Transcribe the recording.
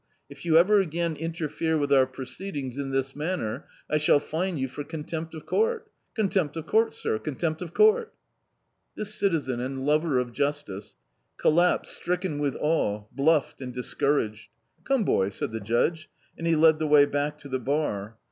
If you ever again interfere with our proceedings, in this maimer, I shall fine you for contempt of court — contempt of court, sir, contempt of court." This citizen and lover of justice, collapsed stricken with awe, bluffed and discouraged. "Come, boys," said the Judge, and he led the way back to the bar.